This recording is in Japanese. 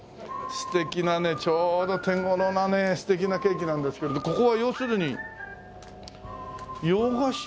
素敵なねちょうど手頃なね素敵なケーキなんですけれどここは要するに洋菓子屋さんでしょ？